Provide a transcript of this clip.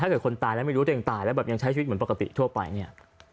เกิดคนตายแล้วไม่รู้ตัวเองตายแล้วแบบยังใช้ชีวิตเหมือนปกติทั่วไปเนี่ย